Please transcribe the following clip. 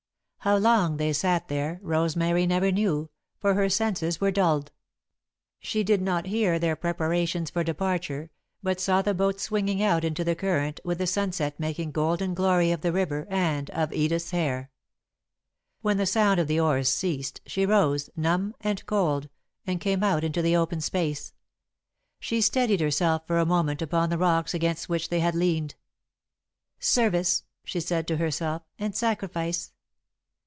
How long they sat there, Rosemary never knew, for her senses were dulled. She did not hear their preparations for departure, but saw the boat swinging out into the current, with the sunset making golden glory of the river and of Edith's hair. When the sound of the oars ceased, she rose, numb and cold, and came out into the open space. She steadied herself for a moment upon the rock against which they had leaned. [Sidenote: Another Thought] "Service," she said to herself, "and sacrifice.